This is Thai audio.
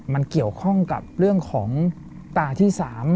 มันเกี่ยวข้องกับเรื่องของตาที่๓